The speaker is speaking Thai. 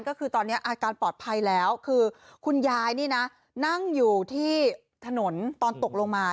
ก็คือตอนนี้อาการปลอดภัยแล้วคือคุณยายนี่นะนั่งอยู่ที่ถนนตอนตกลงมา